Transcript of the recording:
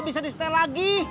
bisa di stair lagi